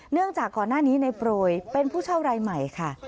จากก่อนหน้านี้ในโปรยเป็นผู้เช่ารายใหม่ค่ะ